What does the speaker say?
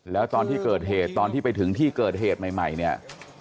แล้วตอนที่เกิดเหตุตอนที่ไปถึงที่เกิดเหตุใหม่เนี่ย